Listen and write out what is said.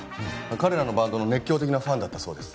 彼らのバンドの熱狂的なファンだったそうです。